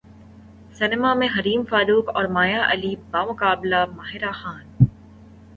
سینماں میں حریم فاروق اور مایا علی بمقابلہ ماہرہ خان